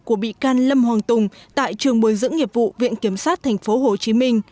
của bị can lâm hoàng tùng tại trường bồi dưỡng nghiệp vụ viện kiểm sát tp hcm